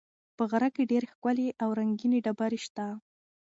په غره کې ډېرې ښکلې او رنګینې ډبرې شته.